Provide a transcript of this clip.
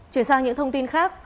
chuyển sang những thông tin khác